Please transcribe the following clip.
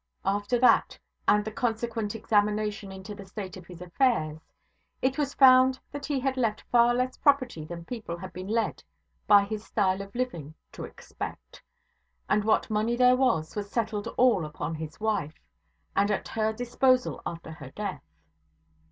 After that, and the consequent examination into the state of his affairs, it was found that he had left far less property than people had been led by his style of living to expect; and what money there was, was settled all upon his wife, and at her disposal after her death.